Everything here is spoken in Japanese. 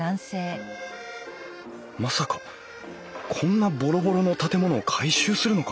まさかこんなボロボロの建物を改修するのか？